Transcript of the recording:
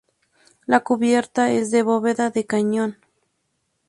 La cubierta es de bóveda de cañón.